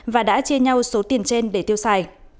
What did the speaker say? và đã chia nhau số tiền trên để tiêu xài